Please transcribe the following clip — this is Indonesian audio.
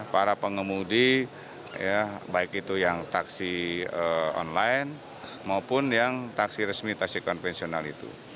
para pengemudi baik itu yang taksi online maupun yang taksi resmi taksi konvensional itu